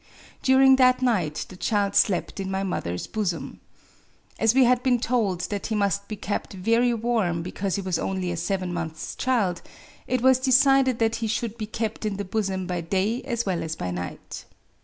During that night the child slept in my mother's bosom. As we had been told that he must be kept very warm, because he was only a seven months' child, it was decided that he should be kept in the bosom by day as well as by night.